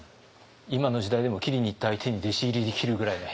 今の時代でも斬りにいった相手に弟子入りできるぐらいの。